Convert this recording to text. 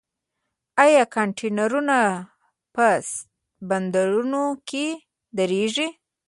آیا کانټینرونه په بندرونو کې دریږي؟